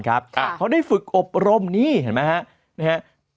เขาได้ฝึกอบรมนี่เห็นไหมครับ